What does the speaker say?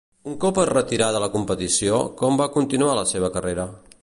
Un cop es retirà de la competició, com va continuar la seva carrera?